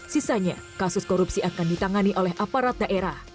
sisanya kasus korupsi akan ditangani oleh aparat daerah